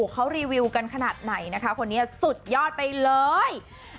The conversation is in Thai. เขารีวิวกันขนาดไหนเขาน่าจะสุดยอดไปเลย